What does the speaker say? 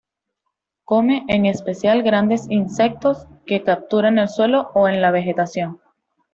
Come en especial grande insectos, que captura en el suelo o en la vegetación.